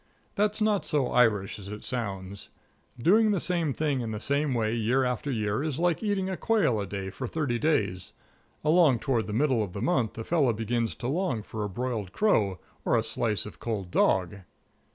That's not so Irish as it sounds. Doing the same thing in the same way year after year is like eating a quail a day for thirty days. Along toward the middle of the month a fellow begins to long for a broiled crow or a slice of cold dog.